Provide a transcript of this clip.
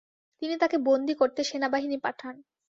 তিনি তাকে বন্দি করতে সেনাবাহিনী পাঠান।